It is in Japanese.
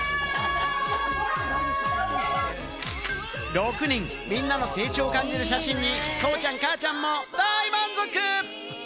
６人みんなの成長を感じる写真に父ちゃん、母ちゃんも大満足！